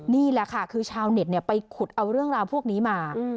นี่แหละค่ะคือชาวเน็ตไปขุดเอาเรื่องราวพวกนี้มา